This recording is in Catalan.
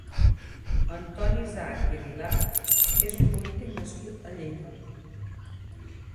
Antoni Isac i Aguilar és un polític nascut a Lleida.